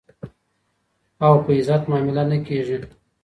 او په عزت معامله نه کېږي.